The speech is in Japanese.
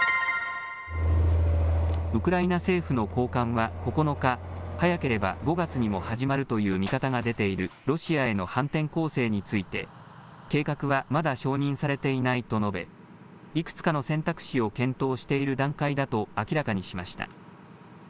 ウクライナ政府の高官は９日、早ければ５月にも始まるという見方が出ているロシアへの反転攻勢について計画はまだ承認されていないと述べ、いくつかの選択肢を検討している段階だと明らかにしました。